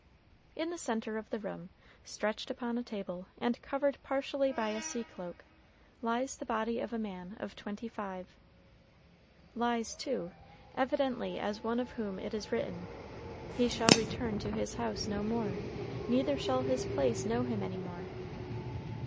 In the centre of the room, stretched upon a table, and covered partially by a sea cloak, lies the body of a man of twenty five, lies, too, evidently as one of whom it is written, "He shall return to his house no more, neither shall his place know him any more."